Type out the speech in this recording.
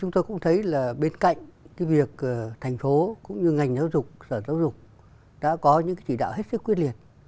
chúng tôi cũng thấy là bên cạnh cái việc thành phố cũng như ngành giáo dục sở giáo dục đã có những chỉ đạo hết sức quyết liệt